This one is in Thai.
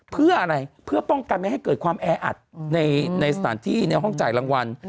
เพื่ออะไรเพื่อป้องกันไม่ให้เกิดความแออัดในสถานที่ในห้องจ่ายรางวัล